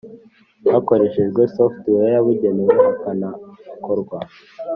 hakoreshwa software yabugenewe hakanakorwa